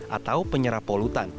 atau penyerap polutan